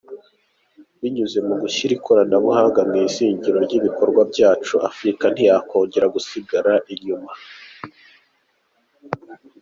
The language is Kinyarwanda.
Binyuze mu gushyira ikoranabuhanga mu izingiro ry’ibikorwa byacu, Afurika ntiyakongera gusigara inyuma.